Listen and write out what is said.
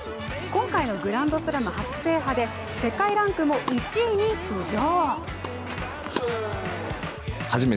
今回のグランドスラム初制覇で世界ランクも１位に浮上。